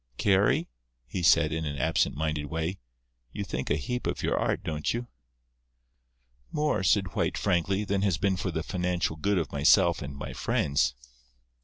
"Carry," he said, in an absent minded way, "you think a heap of your art, don't you?" "More," said White, frankly, "than has been for the financial good of myself and my friends."